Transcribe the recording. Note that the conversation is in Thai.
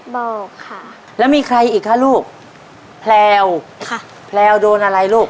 บอกค่ะแล้วมีใครอีกคะลูกแพลวค่ะแพลวโดนอะไรลูก